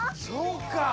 そうか！